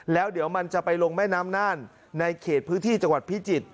แล้วเดี๋ยวมันจะไปลงแม่น้ำน่านในเขตพื้นที่จังหวัดพิจิตร